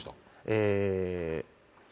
え。